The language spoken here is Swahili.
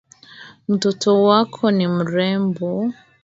Mtoto wake ni mrembo.